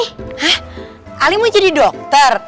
hah ali mau jadi dokter